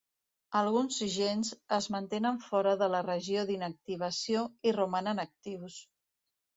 Alguns gens es mantenen fora de la regió d'inactivació i romanen actius.